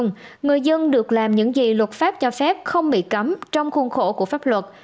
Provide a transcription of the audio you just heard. nguyễn phương hằng người dân được làm những gì luật pháp cho phép không bị cấm trong khuôn khổ của pháp luật